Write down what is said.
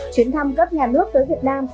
chuyến thăm cấp nhà nước tới việt nam